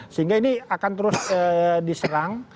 sehingga ini akan terus diserang